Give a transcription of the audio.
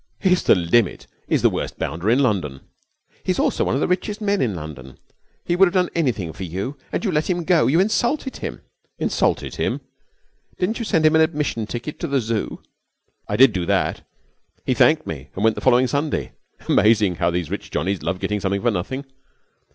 He's the limit! He's the worst bounder in London.' 'He's also one of the richest men in London. He would have done anything for you. And you let him go! You insulted him!' 'Insulted him?' 'Didn't you send him an admission ticket to the Zoo?' 'Oh, well, yes, I did do that. He thanked me and went the following Sunday. Amazing how these rich Johnnies love getting something for nothing.